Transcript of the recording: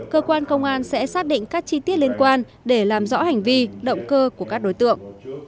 cơ quan công an sẽ xác định các chi tiết liên quan để làm rõ hành vi động cơ của các đối tượng